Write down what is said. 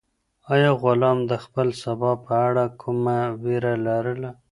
آیا غلام د خپل سبا په اړه کومه وېره لرله؟